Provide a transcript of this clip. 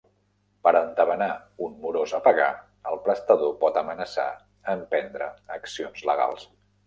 Per entabanar un morós a pagar, el prestador pot amenaçar en prendre accions legals.